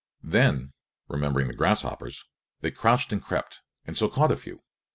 Then, remembering the grasshoppers, they crouched and crept and so caught a few.